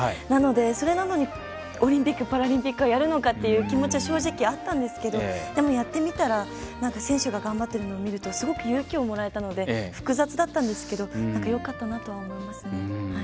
それなのにオリンピック・パラリンピックはやるのかっていう気持ちは正直あったんですけどでも、やってみたら選手が頑張っているのを見るとすごく勇気をもらえたので複雑だったんですけどよかったなとは思いますね。